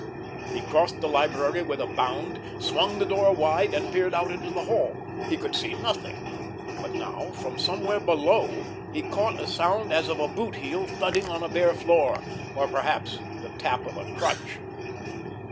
He crossed the library with a bound, swung the door wide, and peered out into the hall. He could see nothing; but now, from somewhere below, he caught a sound as of a boot heel thudding on a bare floor—or, perhaps, the tap of a crutch!